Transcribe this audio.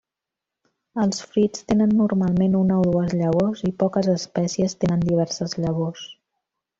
Els fruits tenen normalment una o dues llavors i poques espècies tenen diverses llavors.